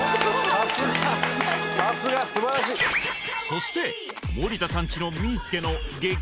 さすがさすが素晴らしいそして盛田さんちのミースケの激